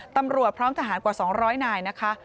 ตำรวจพร้อมทหารกว่า๒๐๐นายนะคะ